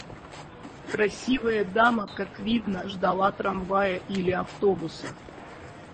Красивая дама, как видно, ждала трамвая или автобуса.